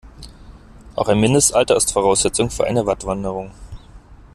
Auch ein Mindestalter ist Voraussetzung für eine Wattwanderung.